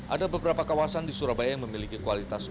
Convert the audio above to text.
ada beberapa kawasan di surabaya yang memiliki kualitas